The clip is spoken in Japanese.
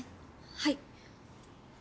はい。